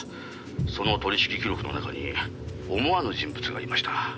「その取引記録の中に思わぬ人物がいました」